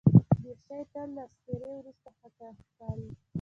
دریشي تل له استري وروسته ښه ښکاري.